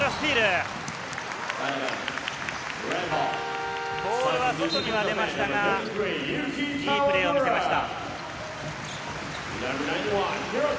ボールは外には出ましたが、良いプレーを見せました。